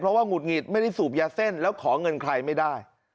เพราะว่าหงุดหงิดไม่ได้สูบยาเส้นแล้วขอเงินใครไม่ได้